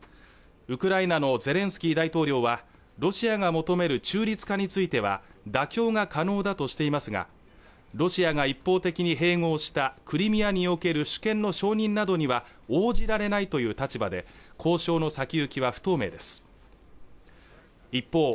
ウクライナのゼレンスキー大統領はロシアが求める中立化については妥協が可能だとしていますがロシアが一方的に併合したクリミアにおける主権の承認などには応じられないという立場で交渉の先行きは不透明です一方